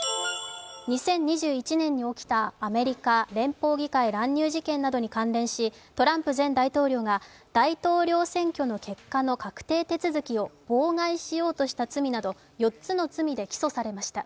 ２０２１年に起きたアメリカ連邦事件乱入事件に関連し、トランプ前大統領が大統領選挙の結果の確定手続きを妨害しようとした罪など４つの罪で起訴されました。